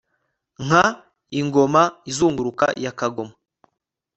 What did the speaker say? Nka ingoma izunguruka ya kagoma